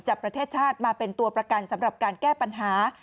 ประเทศชาติมาเป็นตัวประกันสำหรับการแก้ปัญหา